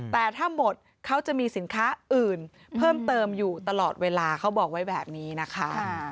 แต่ถ้าหมดเขาจะมีสินค้าอื่นเพิ่มเติมอยู่ตลอดเวลาเขาบอกไว้แบบนี้นะคะ